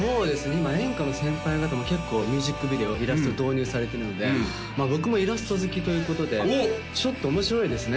今演歌の先輩方も結構ミュージックビデオイラスト導入されてるので僕もイラスト好きということでちょっと面白いですね